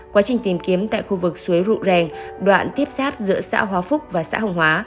quá trình tìm kiếm tại khu vực suối rụ rèng đoạn tiếp giáp giữa xã hóa phúc và xã hồng hóa